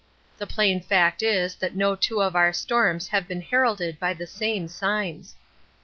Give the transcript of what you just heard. The plain fact is that no two of our storms have been heralded by the same signs.